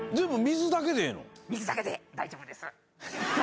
水だけで大丈夫です。